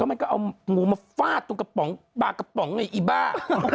มันก็เอางูมาฟาดตรงกระป๋องปลากระป๋องไอ้อีบ้า